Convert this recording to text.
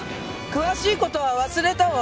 詳しい事は忘れたわ。